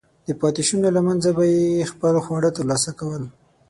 د پاتېشونو له منځه به یې خپل خواړه ترلاسه کول.